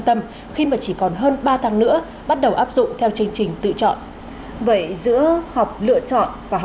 tâm khi mà chỉ còn hơn ba tháng nữa bắt đầu áp dụng theo chương trình tự chọn vậy giữa họ lựa chọn và họ